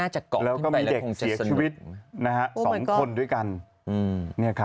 อาหารไทยมากด้วยไหมค่ะ